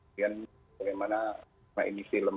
dan bagaimana mengedit film